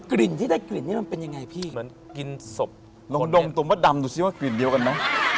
กลิ่นที่ได้กลิ่นนี่มันเป็นยังไงพี่เหมือนกลิ่นศพลองดงตัวมดดำดูซิว่ากลิ่นเดียวกันไหม